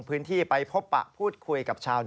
เพราะกลัวเสียคะแนน